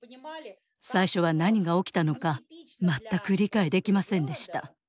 最初は何が起きたのか全く理解できませんでした。